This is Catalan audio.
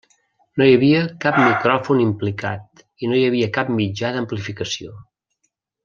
No hi havia cap micròfon implicat i no hi havia cap mitjà d'amplificació.